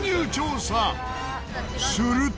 すると。